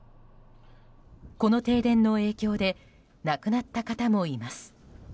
この停電の影響で亡くなった方もいます。